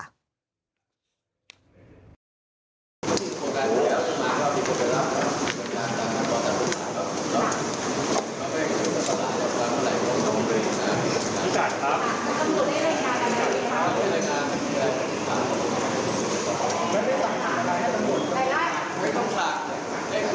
ใช่ครับ